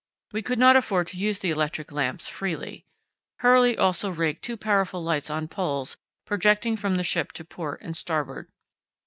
We could not afford to use the electric lamps freely. Hurley also rigged two powerful lights on poles projecting from the ship to port and starboard.